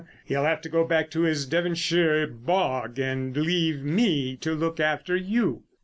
he'll have to go back to his Devonshire bog and leave me to look after you."